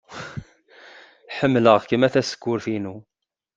Ḥemmleɣ-kem a tasekkurt-inu.